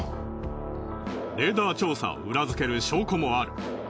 レーダー調査を裏付ける証拠もある。